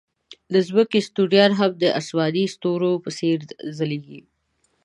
د ځمکې ستوریان هم د آسماني ستوریو په څېر ځلېږي.